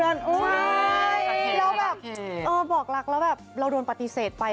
ใช่แล้วแบบบอกรักแล้วแบบเราโดนปฏิเสธไป